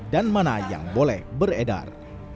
dan mana yang boleh beredar